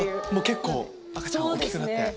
結構赤ちゃん大きくなって。